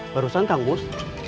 barusan kang mus